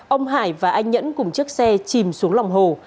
ông hải và anh nhẫn cùng chiếc xe chìm xuống lòng hồ